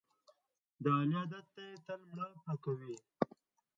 د علي عادت دی تل مړه پړه کوي.